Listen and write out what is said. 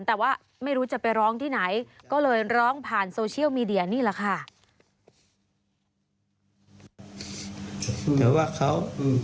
แต่ว่าไม่รู้จะไปร้องที่ไหนก็เลยร้องผ่านโซเชียลมีเดียนี่แหละค่ะ